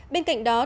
bên cạnh đó